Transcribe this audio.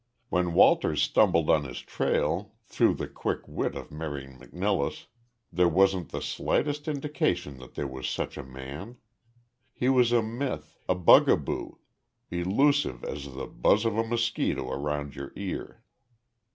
When Walters stumbled on his trail, through the quick wit of Mary McNilless, there wasn't the slightest indication that there was such a man. He was a myth, a bugaboo elusive as the buzz of a mosquito around your ear.